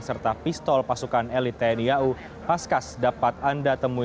serta pistol pasukan elit tni au paskas dapat anda temui